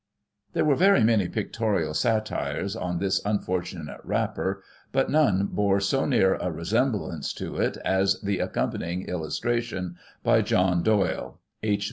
There were very many pictorial satires on this unfortunate wrapper, but none bore so near a resemblance to it as the accompanying illustration by John Doyle (H.